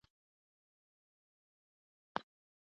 دوی هیڅ ډول خنډونه نه خوښوي.